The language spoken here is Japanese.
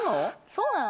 ・そうなの？